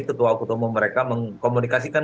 tetua ketua mereka mengkomunikasikan